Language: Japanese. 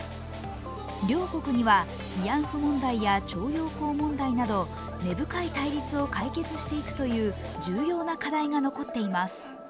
両国には慰安婦問題や徴用工問題など根深い対立を解決していくという重要な課題が残っています。